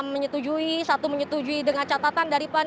menyetujui satu menyetujui dengan catatan dari pan